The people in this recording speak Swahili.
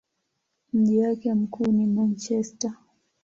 Mji wake mkuu ni Manchester.